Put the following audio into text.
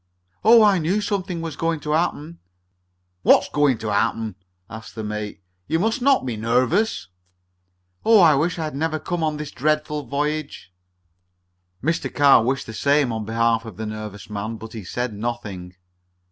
"Oh! I knew something was going to happen!" "What's going to happen?" asked the mate. "You must not be so nervous." "Oh! I wish I had never come on this dreadful voyage!" Mr. Carr wished the same on behalf of the nervous man, but he said nothing.